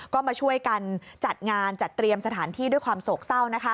ก็มาช่วยกันจัดงานจัดเตรียมสถานที่ด้วยความโศกเศร้า